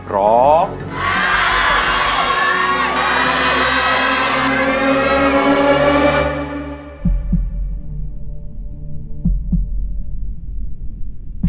ร้อง